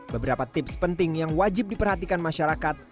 beberapa tips penting yang wajib diperhatikan masyarakat